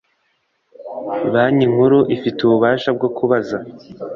Banki nkuru ifite ububasha bwo kubaza